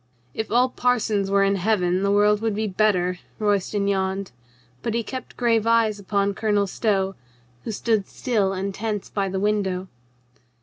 "If all parsons were in Heaven, the world would be better," Royston yawned; but he kept grave eyes upon Colonel Stow, who stood still and tense by the window.